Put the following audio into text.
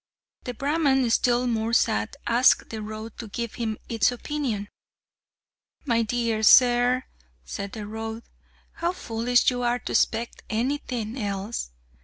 The Brahman, still more sad, asked the road to give him its opinion. "My dear sir," said the road, "how foolish you are to expect anything else!